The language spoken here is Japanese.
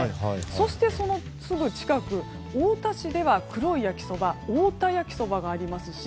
そしてそのすぐ近く太田市では黒い焼きそば太田焼きそばがありますし。